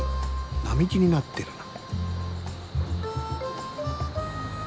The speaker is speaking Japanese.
並木になってるな。